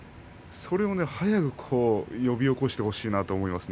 それを早く呼び起こしてほしいなと思います。